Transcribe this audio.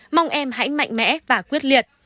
mong em hãy mạnh mẽ và quyết liệt